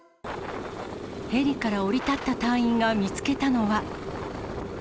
ヘリから降り立った隊員が見つけたのは。